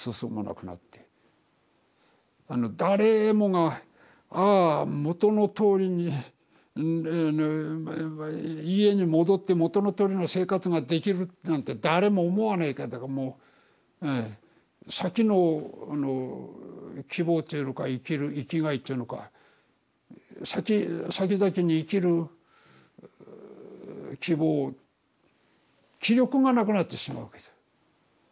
誰もがああ元のとおりに家に戻って元のとおりの生活ができるなんて誰も思わねえからだからもう先のあの希望っていうのか生きる生きがいっていうのかさきざきに生きる希望気力がなくなってしまうわけだ。